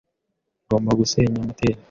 Ngomba gusenya moteri.